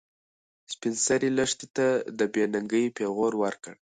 سپین سرې لښتې ته د بې ننګۍ پېغور ورکړ.